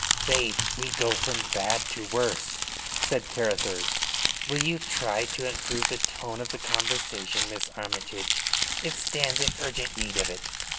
"Faith, we go from bad to worse," said Carruthers. "Will you try to improve the tone of the conversation, Miss Armytage? It stands in urgent need of it."